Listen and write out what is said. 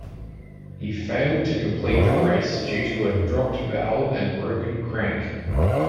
He failed to complete the race due to a dropped valve and broken crank.